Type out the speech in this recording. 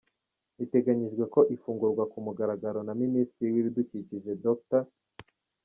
Biteganyijwe ko ifungurwa ku mugaragaro na Minisitiri w’Ibidukikije, Dr.